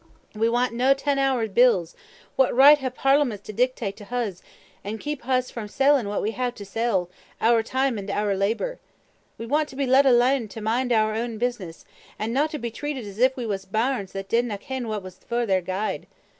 We want nae ten hours bills what richt hae parliaments to dictate to huz, an' keep huz frae sellin' a' we hae to sell, oor time an' oor labour? We want to be let alane to mind oor ain business, an no to be treated as if we was bairns that didna ken what was for their gude.